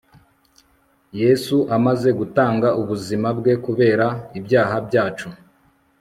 yesu amaze gutanga ubuzima bwe kubera ibyaha byacu